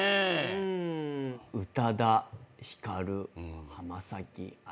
宇多田ヒカル浜崎あゆみ。